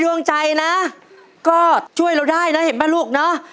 ดวงใจนะก็ช่วยเราได้นะเห็นป่ะลูกเนอะ